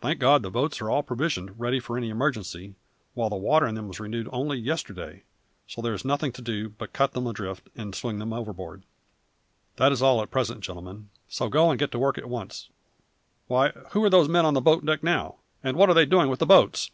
Thank God, the boats are all provisioned, ready for any emergency, while the water in them was renewed only yesterday, so there is nothing to do but cut them adrift and swing them outboard. That is all at present, gentlemen, so go and get to work at once why, who are those men on the boat deck now, and what are they doing with the boats?"